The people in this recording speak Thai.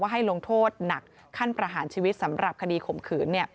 ให้ลงโทษหนักขั้นประหารชีวิตสำหรับคดีข่มขืน